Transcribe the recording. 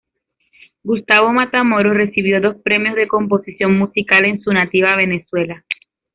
Gustavo Matamoros recibió dos premios de composición musical en su nativa Venezuela.